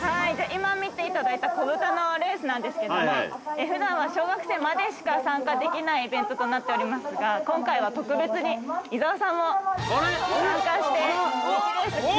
◆今見ていただいたこぶたのレースなんですけどもふだんは小学生までしか参加できないイベントとなっておりますが、今回は特別に伊沢さんも参加して。